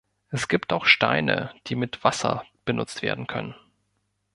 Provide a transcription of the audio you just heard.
Es gibt auch Steine, die mit Wasser benutzt werden können.